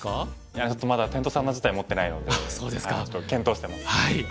いやちょっとまだテントサウナ自体持ってないのでちょっと検討してます。